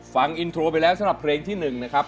ฟังอินโทรไปแล้วสำหรับเพลงที่๑นะครับ